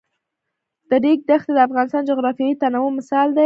د ریګ دښتې د افغانستان د جغرافیوي تنوع مثال دی.